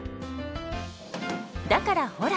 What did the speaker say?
だからほら！